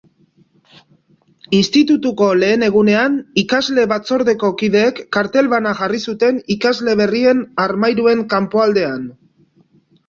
Institutuko lehen egunean, Ikasle Batzordeko kideek kartel bana jarri zuten ikasle berrien armairuen kanpoaldean.